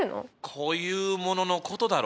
こういうもののことだろ。